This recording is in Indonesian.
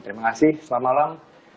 terima kasih selamat malam